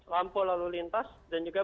lampu lalu lintas dan juga